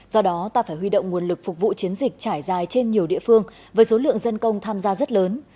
do đó ta phải huy động nguồn lực phục vụ chiến dịch trải dài trên nhiều địa phương với số lượng dân công tham gia rất lớn